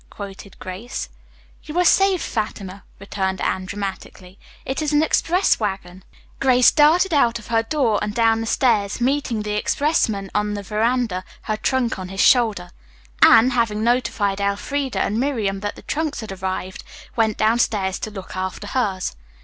'" quoted Grace. "You are saved, Fatima," returned Anne dramatically. "It is an express wagon." Grace darted out of her door and down the stairs, meeting the expressman on the veranda, her trunk on his shoulder. Anne, having notified Elfreda and Miriam that the trunks had arrived, went downstairs to look after hers.